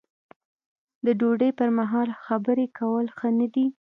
د ډوډۍ پر مهال خبرې کول ښه نه دي.